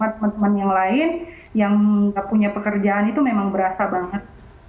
teman teman yang lain yang nggak punya pekerjaan itu memang berasa banget